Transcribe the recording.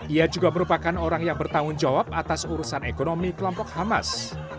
ia juga merupakan orang yang bertanggung jawab atas urusan ekonomi kelompok hamas